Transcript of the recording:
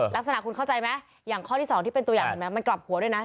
ลักษณะคุณเข้าใจไหมอย่างข้อที่๒ที่เป็นตัวอย่างเห็นไหมมันกลับหัวด้วยนะ